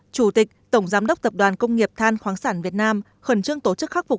chủ tịch tổng giám đốc tập đoàn công nghiệp than khoáng sản việt nam khẩn trương tổ chức khắc phục